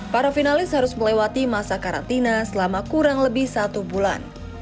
para finalis harus melewati masa karantina selama kurang lebih satu bulan